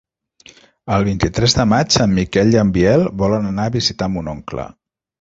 El vint-i-tres de maig en Miquel i en Biel volen anar a visitar mon oncle.